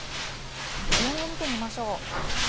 気温を見てみましょう。